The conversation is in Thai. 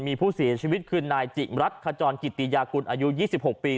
มีผู้เสียชีวิตคือนายจิมรัฐขจรกิติยากุลอายุ๒๖ปี